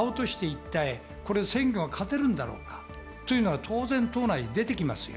選挙が勝てるんだろうか？というのは当然党内で出てきます。